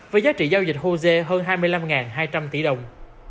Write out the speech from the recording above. với giá trị giao dịch hosea hơn hai mươi năm hai trăm linh tỷ đồng